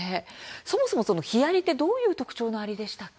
そもそもヒアリってどういう特徴のアリですか？